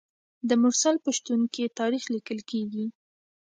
د مرسل په شتون کې تاریخ لیکل کیږي.